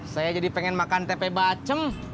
saya jadi pengen makan tempe bacem